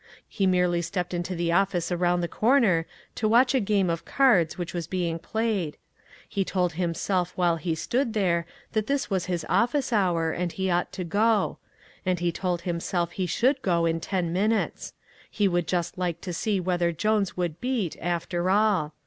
He merely stepped into the office around the corner to watch a game of cards which was being played. He told him self while he stood there that this was his office hour, and he ought to go ; and he told himself that he should go in ten min utes; he would just like to see whether Jones would beat, after all.